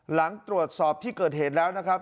หลังตรวจสอบที่เกิดเหตุแล้วนะครับ